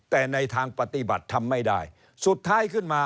แต่ในทางปฏิบัติทำไม่ได้